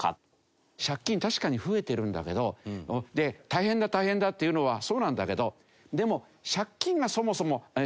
借金確かに増えてるんだけど大変だ大変だっていうのはそうなんだけどでも。